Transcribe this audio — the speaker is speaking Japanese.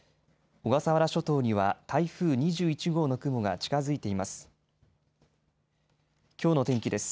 小笠原諸島には台風２１号の雲が近づいています。